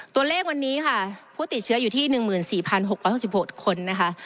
ตัวเลขวันนี้ค่ะผู้ติดเชื้ออยู่ที่๑๔๖๖๖คนนะคะ